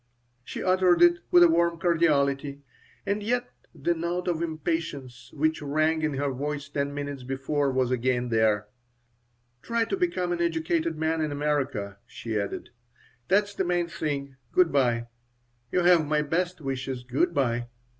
She uttered it with a warm cordiality, and yet the note of impatience which rang in her voice ten minutes before was again there "Try to become an educated man in America," she added. "That's the main thing. Good by. You have my best wishes. Good by."